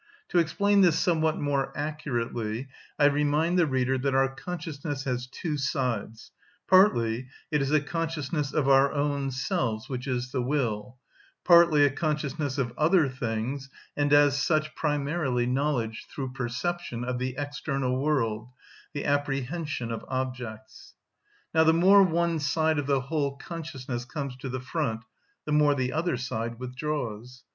To explain this somewhat more accurately I remind the reader that our consciousness has two sides; partly, it is a consciousness of our own selves, which is the will; partly a consciousness of other things, and as such primarily, knowledge, through perception, of the external world, the apprehension of objects. Now the more one side of the whole consciousness comes to the front, the more the other side withdraws.